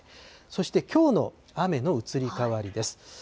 そしてきょうの雨の移り変わりです。